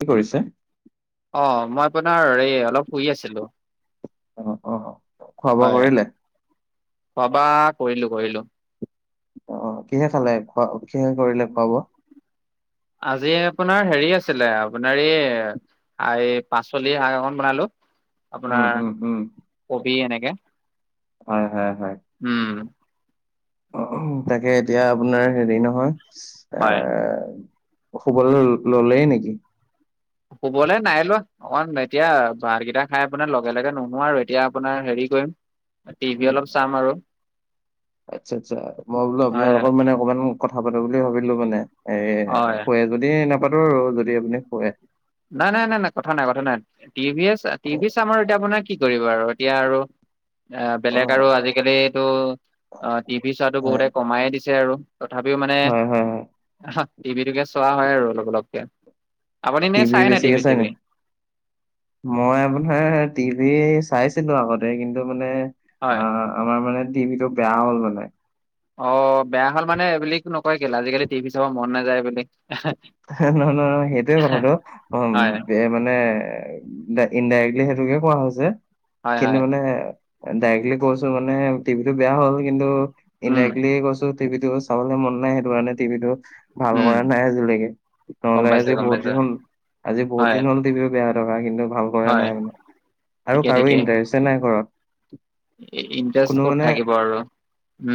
কি কৰিছে? অহ, মই আপোনাৰ এই অলপ শুই আছিলো। অহ-অহ। হয়, খোৱা-বোৱা কৰিলোঁ কৰিলোঁ। অহ, কিহে খালে, কিহে কৰিলে খোৱা-বোৱা? আজি আপোনাৰ হেৰি আছিলে, আপোনাৰ এই-এই পাচলি শাক অকন বনালো। উম, আপোনাৰ উম, উম। কবি এনেকে। হয়-হয়-হয়। উম। অহ, তাকে এতিয়া আপোনাৰ হেৰি নহয়। হয়। এ শুবলেই ল'লেই নেকি? শুবলে নাই লোৱা। অকণ এতিয়া ভাতকেইটা খায় আপোনাৰ লগে লগে নোশুও আৰু এতিয়া আপোনাৰ হেৰি কৰিম। টিভি অলপ চাম আৰু। আচ্ছা-আচ্ছা। মই বোলো আপোনাৰ হয় লগত মানে অকমান কথা পাতো বুলি ভাবিলোঁ মানে। এ হয় কৈ আ যদি নাপাতো আৰু যদি আপুনি শুৱে। নাই-নাই-নাই-নাই কথা নাই কথা নাই অ', টিভিয়ে-টিভি চাম আৰু এতিয়া আপোনাৰ কি কৰিব আৰু এতিয়া আৰু। এ অ বেলেগ আৰু আজিকালিটো অ' টিভি চোৱাটো হয়, বহুতে কমায়ে দিছে আৰু। তথাপিও মানে হয়, হয়, হয়, হা টিভিটোকে চোৱা হয় আৰু অলপ অলপকে। আপুনি নে টিভি চাই নাই বেছিকৈ চায়নে? চিভি মই আপোনাৰ টিভি চাইছিলো আগতে, কিন্তু মানে আ হয় আমাৰ মানে টিভিটো বেয়া হ'ল মানে। অ', বেয়া হ'ল মানে এই বুলি নকয় কেলে, আজিকালি টিভি চাব মন নাযায় বুলি নহয়, নহয়, নহয়। সেইটোৱে কথাটো, হয় অ' মানে, ইনডাইৰেক্টলি সেইটোকে কোৱা হৈছে, হয় কিন্তু হয় মানে ডাইৰেক্টলি কৈছো মানে টিভিটো বেয়া হ'ল, কিন্তু উম ইনডাইৰেক্টলি কৈছোঁ টিভিটো চাবলৈ মন নাই, সেইটো কাৰণে টিভিটো ভাল উম কৰা নাই আজিলৈকে। গম নহ'লে পাইছো আজি গম বহুত পাইছো দিন হ'ল, আজি বহুত হয় দিন হ'ল টিভিটো বেয়া হৈ থকা, কিন্তু ভাল কৰা হয় নাই মানে। আৰু ঠিকে কাৰো ঠিকে ইণ্টাৰেষ্টে নাই ঘৰত। কোনো ইণ্টাৰেষ্ট ক'ত থাকিব আৰু,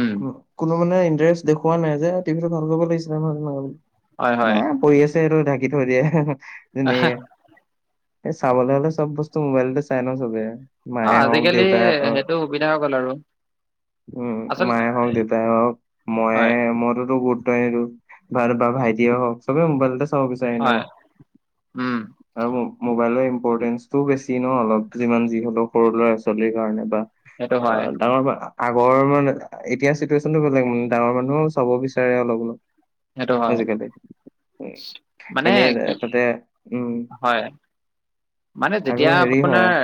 উম কোনেও মানে ইণ্টাৰেষ্ট দেখুৱা নাই যে টিভিটো ভাল কৰিব লাগিছিল হয় হয় নহয় [unintelligible] পৰি আছে সেইটো ঢাকি থৈ দিয়া, [unintelligible] এই চাবলৈ হ'লে চব বস্তু মোবাইলতে চাই ন চবে অ, মায়ে হওক আজিকালি দেউতাই হওক, সেইটো সুবিধা হৈ গ'ল আৰু। উম, আচল মায়ে হওক, দেউতাই হওক, ময়ে, হয় মইতোতো গুৰুত্বয়ে নিদো। বাটো বা ভাইটিয়ে হওক, চবে মোবাইলতে চাব বিচাৰে এনেও হয় উম আৰু মোবাইলৰ ইম্পৰটেন্ঞ্চটোও বেছি ন অলপ, যিমান যি হ'লেও সৰু ল'ৰা ছোৱালীৰ কাৰণে বা সেইটো অ, হয় ডাঙৰ মা আগৰ মানে, এতিয়া চিটুৱেশ্যনটো বেলেগ, ডাঙৰ মানুহেও চাব বিচাৰে অলপ-অলপ সেইটো হয় আজি কালি। মানে কি, উম হয়। মানে, আৰু যেতিয়া হেৰি হয় আপোনাৰ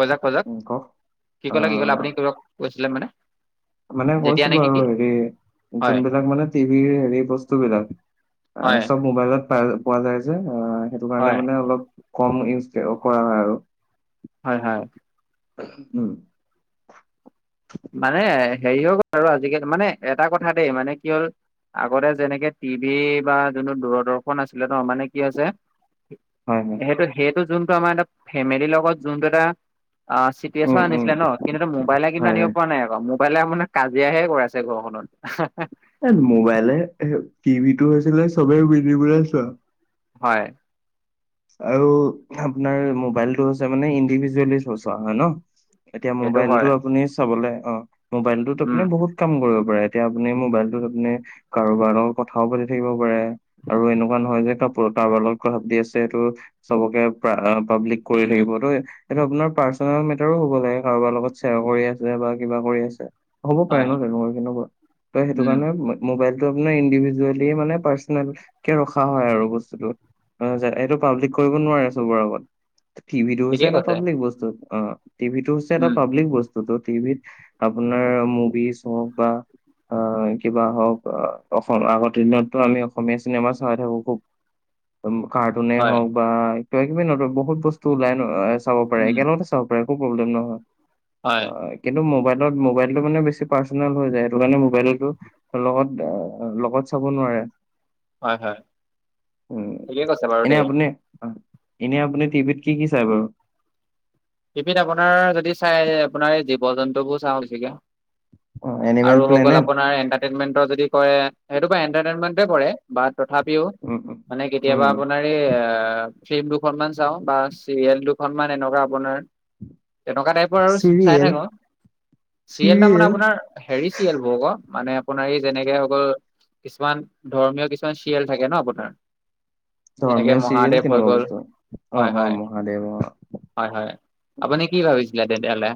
ক উম [unintelligible] কওক কি কলে, কি কলে, আহ আপুনি কিবা কৈছিলে মানে মানে যেতিয়া কৈছিলো নেকি কি আৰু হেৰি হয় জোনবিলাক মানে টিভিৰ হেৰি বস্তু বিলাক অ' হয় চব মোবাইলত পাই পোৱা যায় যে, অ সেইটো কাৰণে হয় মানে অলপ কম ইউজ কৰা হয় আৰু। হয়, হয়। [inaudible] মানে হেৰি হৈ গ'ল আৰু আজিকালি, মানে এটা কথা দেই, মানে কি হ'ল আগতে যেনেকে টিভি বা জোনটো দূৰদৰ্শন আছিলে ন, মানে কি হৈছে হয় হয় হেইটো, হেইটো জোনটো আমাৰ এটা ফেমিলিৰ লগত জোনটো এটা অ, চিত উম [unintelligible] উম আনিছিলে ন, কিন্তু এতিয়া মোবাইলে কিন্তু হয় আনিব হয় পৰা নাই আক', মোবাইলে আপোনাৰ কাজিয়াহে কৰাইছে ঘৰখনত! এ মোবাইলে, এ টিভিটো হৈছিলে চবে মিলি পেলাই চোৱা হয় আৰু আপোনাৰ মোবাইলটো আছে মানে ইণ্ডিভিজুৱেলি চোৱা হয় ন এতিয়া সেইটো মোবাইলটো হয় আপুনি চাবলে অ', মোবাইলটোত আপুনি উম বহুত কাম কৰিব পাৰে! এতিয়া আপুনি মোবাইলটোত আপুনি কাৰোবাৰ লগত কথাও পাতি থাকিব পাৰে, আৰু এনেকুৱা নহয় যে [unintelligible] কাৰোবাৰ লগত কথা পাতি আছে [unintelligible] চবকে পাব্লিক কৰি থাকিব দই এইটো আপোনাৰ পাৰ্চনেল মেটাৰো হ'ব লাগে, কাৰোবাৰ লগত শ্বেয়াৰ কৰি আছে বা কিবা কৰি আছে! হ'ব পাৰে হয় ন তেনেকুৱা কেনেকুৱা, ত' সেইটো উম কাৰণে মোবাইলটো আপোনি ইণ্ডিভিজুৱেলি মানে পাৰ্চনেলকে ৰখা হয় আৰু বস্তুটোত, [unintelligible] এইটো পাব্লিক কৰিব নোৱাৰে চবৰ আগত! টি ভিতো হৈছে ঠিকেই এটা কৈছে পাব্লিক বস্তু, অ' টিভিটো হৈছে এটা উম পাব্লিক বস্তুটো, টিভিত আপোনাৰ মুভিজ হওক বা আ, কিবা হওক আ, অখন আগত দিনতটো আমি অসমীয়া চিনেমা চাই থাকোঁ খুব। উম, কাৰ্টুনে হয় হওক বা কিবা কিবি নতু বহুত বস্তু ওলাই ন' আ, চাব পাৰে, উম একেলগতে চাব পাৰে একো প্ৰব্লেম নহয়। হয় কিন্তু মোবাইলত মোবাইলটো মানে বেছি পাৰ্চনেল হৈ যায়, সেইটো কাৰণে মোবাইলটো লগত আ, লগত চাব নোৱাৰে। হয়, হয়, উম ঠিকে কৈছ এনে আপুনি, এনে আপুনি টিভিত কি কি চাই বাৰু? টিপিত আপোনাৰ যদি চাই, আপোনাৰ এই জীৱ জন্তুবোৰ চাওঁ বেছিকে। অ এনিমেল আৰু হৈ গ'ল প্লেনেট আপোনাৰ এন্টাৰটেনমেন্টৰ যদি কয়, সেইটোক' এন্টাৰটেনমেন্টতে পৰে। বা তথাপিও উম মানে কেতিয়াবা উম আপোনাৰ তে আ, ফিল্ম দুখনমান চাওঁ, বা চিৰিয়েল দুখনমান এনেকুৱা আপোনাৰ। তেনেকুৱা টাইপৰ আৰু চাই চিৰিয়েল থাকো, চিৰিয়েলটা মানে চিৰিয়েল আপোনাৰ হেৰি চিয়েলবোৰ আকৌ মানে আপোনাৰ এই যেনেকে হৈ গ'ল কিছুমান ধৰ্মীয় কিছুমান চিয়েল থাকে ন' আপোনাৰ। যেনেকে ধৰ্মীয় চিৰিয়েল মহাদেৱ হৈ কেনেকুৱা গ'ল বস্তু? অ', হয় হয় অ', মহাদেৱ অ'। হয়, হয়, আপুনি কি ভাবিছিলে তেতিয়াহ'লে?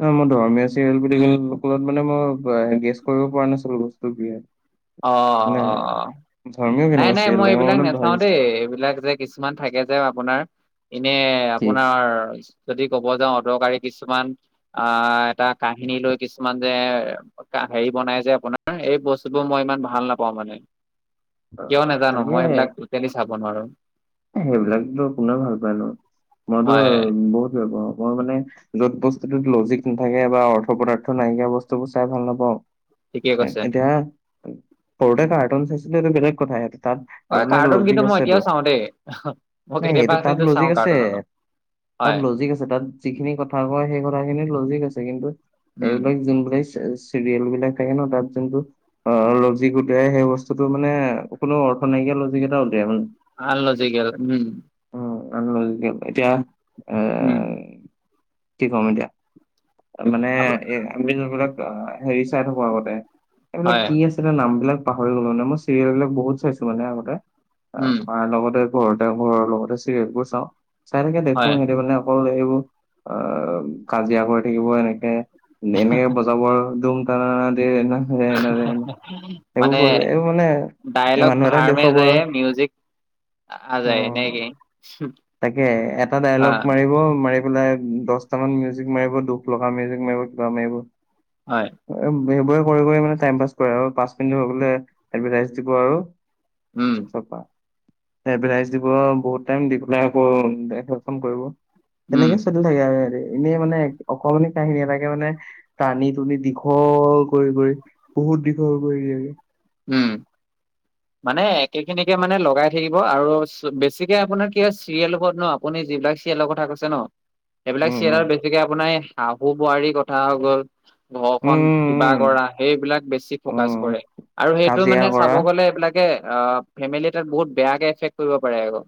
এ, মই ধৰ্মীয় চিৰিয়েল বুলি [unintelligible] মানে মই আ, গেছ কৰিব পৰা নাছিলোঁ বস্তু কি হয়। মানে অ', অ', ধৰ্মীয় নাই কেনেকুৱা নাই চিৰিয়েল মই লাগে এইবিলাক মানে নেচাওঁ দেই, ভাবিছিলো এইবিলাক যে কিছুমান থাকে যে আপোনাৰ এনে কি আপোনাৰ যদি ক'ব যাওঁ অদৰকাৰী কিছুমান আ, এটা কাহিনী লৈ কিছুমান যে কা হেৰি বনাই যে আপোনাৰ, এই বস্তু টো মই ইমান ভাল নাপাওঁ মানে, অ', কিয় নেজানো তাকে মই এইবিলাক টোটেলি চাব নোৱাৰোঁ। এ, সেইবিলাকতো কোনে ভাল পাইনো, মইতো হয় বহুত বেয়া পাওঁ। মই মানে য'ত বস্তুটোত লজিক নাথাকে বা অৰ্থ পদাৰ্থ নাইকিয়া বস্তুবোৰ চাই ভাল নাপাওঁ। ঠিকেই কৈছে এতিয়া সৰুতে কাৰ্টুন চাইছিলোঁ এইটো বেলেগ কথা। তাত হয় আপোনাৰ কাৰ্টুন কিন্তু লজিক আছেতো। [unintelligible] নে সেইটোত তাত কিন্তু চাওঁ লজিক আছে। কাৰ্টুন অলপ তাত হয় লজিক আছে, তাত যিখিনি কথা কয় সেই কথাখিনিৰ লজিক আছে, কিন্তু উম এইবিলাক যোনবিলাক আ, চিৰিয়েলবিলাক থাকে ন' তাত যোনটো অ', লজিক উলিয়াই সেই বস্তুটো মানে কোনো অৰ্থ নাইকিয়া লজিক এটা উলিয়াই মান আল লজিকেল, উম। উম, আনলজিকেল, এতিয়া এ উম। কি কম এতিয়া? মানে আপ- এ, আমি যোনবিলাক আ, হেৰি চাই থাকো আগতে এইবিলাক হয় কি আছ [unintelligible] নামবিলাক পাহৰি গ'লোনে, মই চিৰিয়েল বিলাক বহুত চাইছো মানে আগতে। উম। তাৰ লগতে ঘৰতে ঘৰৰ লগতে চিৰিয়েল বোৰ চাও, চাই থাকে দেখো হয় সিহতি মানে কল সেইবো আ, কাজিয়া কৰি থাকিব এনেকে, [unintelligible] বজ জাবৰ দুম তানানা দেৰে না। দে না দে না। এইবোৰ মানে কৰি এইবোৰ মানে এই ডাইলগ মানুহ এটাক ভাৰ মে দেখুৱাব আৰু যায়ে মিউজিক আজাই উম, নেকি। তাকে এটা ডায়লগ মাৰিব, মাৰি পেলাই দহটা মান মিউজিক মাৰিব, দুখ লগা মিউজিক মাৰিব, কিবা মাৰিব। হয়। এব সেইবোৰে কৰি কৰি মানে টাইম পাছ কৰে আৰু পাঁচ মিনিট হৈগ'লে এডভেটাইছ দিব আৰু। উম। তাপা এডভেটাইছ দিব বহুত টাইম দি পেলাই আকৌ [unintelligible] খন কৰিব। উম তেনেকে চলি থাকে আৰু সেহেঁতি এনেই মানে অকমানি কাহিনী এটাকে মানে টানি টুনি দীঘল কৰি কৰি, বহুত দীঘল কৰি দিয়েগে। উম। মানে একে খিনিকে মানে লগাই থাকিব আৰু চ বেছিকে আপোনাৰ কি হয় চিৰিয়েলৰ বোৰত ন' আপুনি যিবিলাক চিয়েলৰ কথা কৈছে ন' এইবিলাক উম উম চিয়েলত বেছিকে আপোনাৰ এই শাহু বোৱাৰীৰ কথা হৈ গ'ল ঘৰখন উম কিবা কৰা, সেইবিলাক বেছি উম ফ'কাচ উম কৰে আৰু সেইটো কাজিয়া মানে কৰা চাব গ'লে এইবিলাকে ফেমিলি অ' এটাত বহুত বেয়াকে এফেক্ট কৰিব পাৰে আক'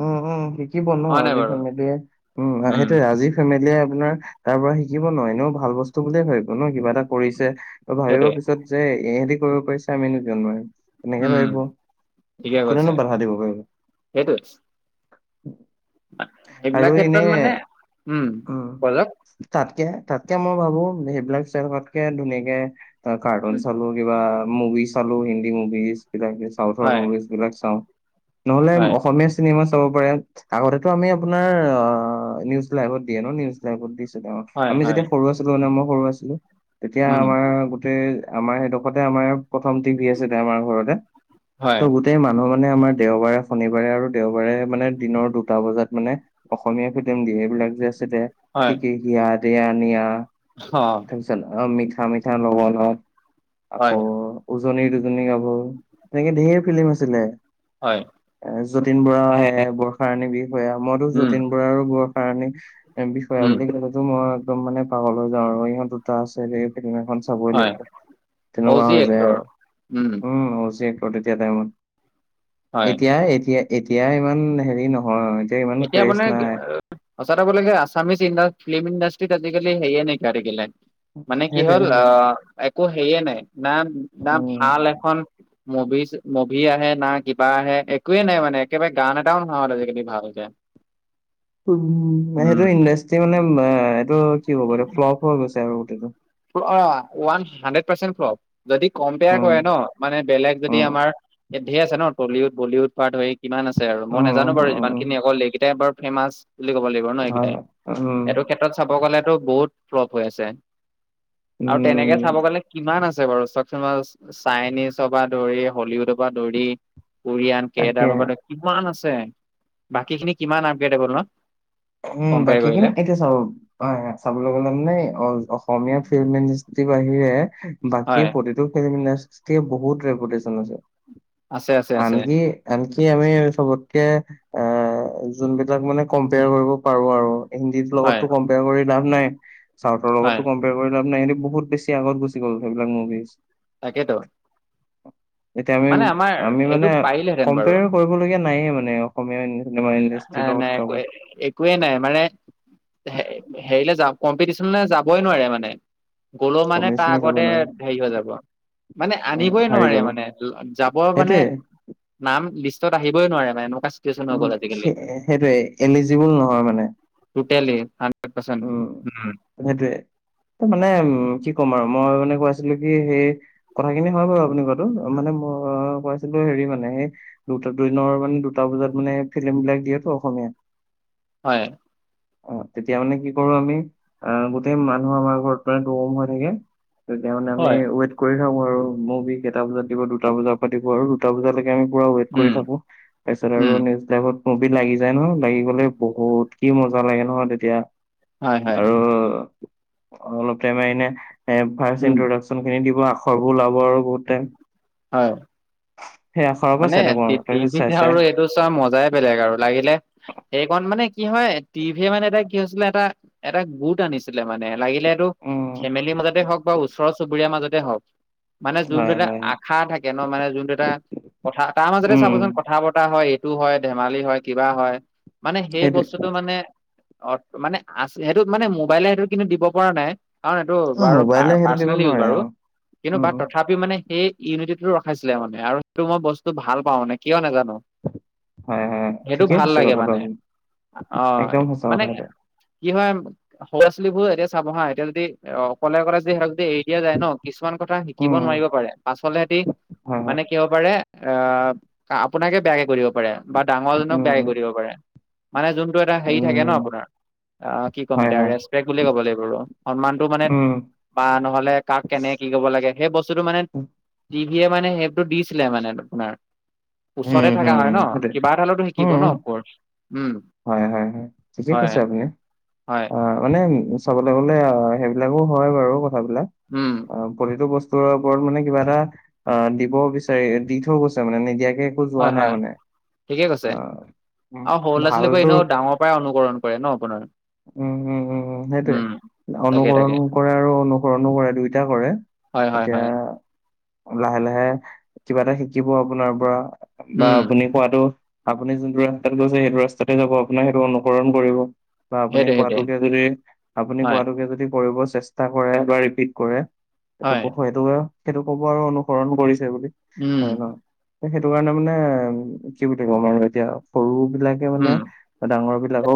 উম, উম শিকিব ন' আজি ফেমিলিয়ে। উম অ' সেইটোয়ে আজি ফেমিলিয়ে আপোনাৰ তাৰ পৰা শিকিব ন' এনেও ভাল বস্তু বুলিয়ে ভাবিব ন' কিবা এটা কৰিছে আৰু ভাবিৰ সেইটোৱে পিছত যে ইহেঁতি কৰিব পাৰিছে আমিনো কিয় নোৱাৰিম? তেনেকে উম ভাবিব। ঠিকে কৈছে কোনেনো বাধা দিব পাৰিব? সেইটোৱে। উম। সেইবিলাক ক্ষেত্ৰত মানে উম, বলক তাতকে, তাতকে মই ভাবো সেইবিলাক চাইথকাতকে ধুনীয়াকে অ', কাৰ্টুনছ উম, চালো কিবা মভিছ চালো হিন্দী মভিজ কিবা হে চাউথৰ হয় মুভিজ বিলাক চাওঁ, নহ'লে হয় অসমীয়া চি চিনিমা চাব পাৰে, আগতেতো আমি আপোনাৰ আঁ, নিউজ লাইভত দিয়ে ন' নিউজ হিচাপত দিছে ত' অঁ আমি যেতিয়া সৰু আছিলোঁ মানে, মই সৰু আছিলোঁ তেতিয়া আমাৰ গোটেই আমাৰ সেইডোখৰতে আমাৰ প্ৰথম টিভি আছে তে আমাৰ ঘৰতে, ত' গো তেই মানুহ মানে আমাৰ দেওবাৰে, শনিবাৰে আৰু দেওবাৰে মানে দিনৰ দুটা বজাত মানে অসমীয়া ফিল্ম দিয়ে সেইবিলাক যে আছিলে হিকে হিয়া দয়া নিয়া। অঁ মিছন অঁ মিঠা মিঠা লগনত আকৌ উজনিৰ দুজনী গাভৰু তেনেকে ধেৰ ফিলিম আছিলে। হয়। এ যতীন বৰা আহে বৰ্ষা ৰাণী বিষয়া মইতো যতীন বৰা আৰু বৰ্ষাৰাণী বিষয়া বুলি কলেটো মই একদম মানে পাগল হৈ যাওঁ আৰু ইহঁত দুটা আছে সে ফিলিমত। খন চাবই লাগিব, তেনেকুৱা হৈ যায় এক্টৰ। আৰু। উম অ' যেন অ' তেতিয়া টাইমত, হয়। এতিয়া এতিয়া এতিয়া ইমান হেৰি নহয় এ ইমান এতিয়া ক্ৰেজ মানে নাই। সঁচা কথা ক'ব গ'লে আছামিছ ইণ্ডাচ ফিল্ম ইণ্ডাষ্ট্ৰিত আজিকালি সেইয়ে নাইকীয়া হৈ থাকিলে। মানে কি সেইটোৱে হ'ল, সেইটোৱে আহ একো হেইয়ে নাই না না উম ভাল এখন মুভিচ মুভি আহে না কিবা আহে, একোৱে নাই মানে একেবাৰে গান এটাও নহা হৈ থাকিল আজিকালি ভাল। কে উম, সেইটো ইণ্ডাষ্ট্ৰি মানে, এ এইটো কি কব এইটো ফ্লপ হৈ গৈছে আৰু গোটেইটো। অ' ৱান হাণ্ড্ৰেড পাৰ্চেণ্ট ফ্লপ যদি কম্পেয়াৰ কৰে উম ন, মানে বেলেগ যদি উম, আমাৰ ইয়াত ধেৰ আছে ন' টলিউড বলিউড পা ধৰি ইমান আছে আৰু। মই উম, নাজানো বাৰু উম, উম, যিমানখিনি অকল একেইটাই বাৰু ফেমাচ বুলি ক'ব লাগিব ন' এইকেইটাই। হয়, উম, এইটো ক্ষেত্ৰত চাব গ'লেতো বহুত ফ্লপ হৈ আছে। আৰু তেনেকে চাব উম, গ'লে কিমান আছে বাৰু [unintelligible] চাইনিজ পৰা ধৰি, হলিউডৰ পৰা ধৰি উৰিয়ান, তাকে। কেডাৰ, কিমান আছে, বাকীখিনি কিমান আপগ্ৰেটেবল ন'। উম, কম্পেয়াৰ বাকীখিনি কৰিলে এতিয়া চব হয়, চাবলৈ গ'লে মানে, অসমীয়া ফিল্ম ইণ্ডাষ্ট্ৰি বাহিৰে বাকী হয় প্ৰতিটো ফিল্ম ইডাষ্ট বহুত ৰেপুটেচন হৈছে। আছে আছে আছে আনকি আনকি আমি চবতকে এ, যোনবিলাক মানে কম্পেয়াৰ কৰিব পাৰোঁ আৰু। হিন্দী হয় লগততো কম্পেয়াৰ কৰি লাভ নাই। চাউথৰ হয় লগতো কম কৰি কৰি লাভ নাই। সিহঁতে বহুত বেছি আগত গুচি গ'ল, সেইবিলাক মুভিছ। তাকেতো। এতিয়া আমি, মানে আমাৰ আমি এইটো মানে পাৰিলেহেঁতেন বাৰু কম্পেয়াৰ কৰিবলগীয়া নাইয়ে মানে অসমীয়া চিনেমা এ ইণ্ডাষ্ট্ৰিৰ লগত নাই একোৱে কাকো। একোৱে নাই মানে, হেৰিলে যাম কম্পিটিশনলৈ যাবই নোৱাৰে মানে। গ'লো মানে তাৰ কম্পিটিচনে যাব আগতে নোৱাৰে হেৰি হৈ যাব। মানে উম আনিবই হাৰি নোৱাৰে, যাব মানে যাব মানে সেইটোয়ে নাম লিষ্টত আহিবই নোৱাৰে মানে এনেকুৱা চিটুৱেচন হৈ গ'ল আজি। সেইটোৱে এলিজিবল নহয় মানে। টোটেলি, হান্দ্ৰেত পাৰ্চেণ্ট, উ। সেইটয়ে। ত' মানে উম, কি ক'ম আৰু, মই মানে কৈ আছিলোঁ কি সেই কথাখিনি হয় বাৰু আপুনি কৌৱাটো। মানে ম মই কৈ আছিলোঁ হেৰি মানে দুটা দু-দিনৰ মানে দুটা বজাত মানে ফিল্মবিলাক দিয়েতো অসমীয়াত। হয়। অ' তেতিয়া মানে কি কৰো আমি আহ, গোটেই মানুহ আমাৰ ঘৰত মানে দম হৈ থাকে তেতিয়া মানে আমি হয় ৱেট কৰি থাকোঁ আৰু মুভি কেইটা বজাত দিব, দুটা বজাৰ পা দিব আৰু দুটা বজালৈকে তেতিয়া আমি পোৰা ৱেইট কৰি উম থাকোঁ। তাৰপিছত উম আৰু নিউজ লাইভত মুভি লাগি যায় নহয়, লাগি গ'লে বহুত কি মজা লাগে নহয় তেতিয়া। হয় হয় আৰু, অলপ টাইম এনে এ, ফাষ্ট উম এণ্টোৰডাকচ খিনি দিব, আখৰবোৰ ওলাব আৰু বহুত টাইম। হয়। সেই আখৰৰ পৰা মানে চাই থাকো আৰু তাৰপিছত চাই টিভিতে চাই আৰু এইটো চাৱা মজাই বেলেগ আৰু লাগিলে সেইকণ মানে কি হয়, টিভিয়ে মানে এটা কি হৈছিলে এটা এটা গোট আনিছিল ছিলে মানে, লাগিলে এইটো উম ফেমিলিৰ মাজতে হওক বা ওচৰৰ চুবুৰীয়াৰ মাজতে হওক। মানে যোনটো হয় এটা হয় আশা থাকে ন' মানে যোনটো এটা কথা তাৰ মাজতে উম চাবচোন কথা বতা হয়, এইটো হয়, ধেমালি হয়, কিবা হয়, মানে সেই সেইটোৱে বস্তুটো মানে অ' মানে আছ সেইটো মানে মোবাইলে সেইটো কিন্তু দিব পৰা নাই। কাৰণ এইটো বাৰু মোবাইলে সেইটো দিব পা-পাৰ্চনেল ইউজ নোৱাৰে বাৰু। আৰু কিন্তু বা উম তথা পি মানে সেই ইউনিটিটো ৰখাইছিলে মানে আৰু সেইটো মই বস্তু ভাল পাওঁ মানে, কিয় নাজানো। হয়, হয়। সেইটো ঠিকেই ভাল কৈছে লাগে কথাটো মানে। আপুনি। একদম অ' সঁচা মানে কথা এইটো। কি হয় সৰু ছোৱালীবোৰ এতিয়া চাব হা, এতিয়া যদি অ-অকলে অকলে যদি সি এৰি দিয়া যায় ন' কিছুমান কথা শিকিব উম, নোৱাৰিব পাৰে, পাছলে সিহঁতি হয়, হয়। মানে কি হ'ব পাৰে আ, আপোনাকে বেয়াকে কৈ দিব পাৰে, বা ডাঙৰ জনক উম, বেয়াকে উম, কৈ দিব পাৰে। মানে যোনটো এটা হেৰি থাকে ন' উম, আপোনাৰ আ, কি ক'ম হয়, এতিয়া হয়। ৰেচপেক্ট বুলিয়ে ক'ব লাগিব, সন্মানটো মানে উম, বা নহ'লে কাক কেনে কি কব লাগে সেই বস্তুটো মানে। টিভিয়ে মানে সেইবটো দিছিলে মানে আপোনাৰ। হুম, ওচৰতে হুম, থকা হয় ন সেইটোৱে। কিবা এটা হলেতো শিকিব উম, ন ওপৰত। হয় হয় হয় ঠিকে কৈছে আপুনি হয় অ মানে। চাবলৈ গ'লে অ হেইবিলাকো হয় বাৰু কথাবিলাক। উম, অ প্ৰতিটো বস্তুৰ ওপৰত মানে কিবা এটা অ দিব বিচাৰি দি থৈ গৈছে মানে নিদিয়াকে, কতো হয় যোৱা নাই হয় মানে অ, এইবিলাকেও এনেও ডাঙৰ পৰাই অনুকৰণ কৰে ন আপোনাৰ। উম উম উম উম সেইটোৱে তাকে তাকে অনুকৰণু কৰে আৰু অনুসৰণো কৰে দুইটা কৰে। হয় হয় হয়। এতিয়া লাহে লাহে কিবা এটা শিকিব আপোনাৰ পৰা বা উম আপুনি, খোৱটো আপুনি যোনটো ৰাস্তাত গৈছে সেইটো ৰাস্তাতে যাব আপোনাৰ সেইটো অনুকৰণ কৰিব। বা আপুনি সেইটোৱে সেইটোৱে কোৱাটোকে যদি আপুনি হয় কোৱাটোকে যদি কৰিব চেষ্টা কৰে বা ৰিপিট কৰে। সেইটো ক হয় সেইটো সেইটো কব আৰু অনুসৰণ কৰিছে বুলি উম হয় হয়। সেইটো কাৰণে মানে কি বুলি কম আৰু এতিয়া সৰু বিলাকে মানে। উম ডাঙৰ বিলাকক,